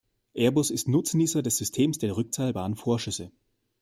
Airbus ist Nutznießer des Systems der rückzahlbaren Vorschüsse.